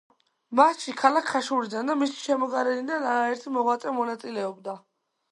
მასში ქალაქ ხაშურიდან და მისი შემოგარენიდან არაერთი მოღვაწე მონაწილეობდა.